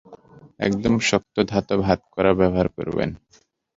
একদম শক্ত ধাতব হাতকড়া ব্যবহার করবেন।